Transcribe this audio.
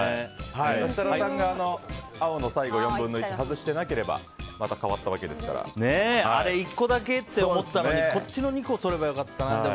設楽さんが青の最後４分の１を外していなければあと１個だけと思ったのにこっちの２個取ればよかった。